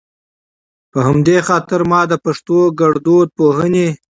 په همدا خاطر ما د پښتو ګړدود پوهنې